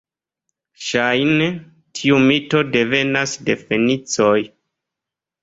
Ŝajne, tiu mito devenas de fenicoj.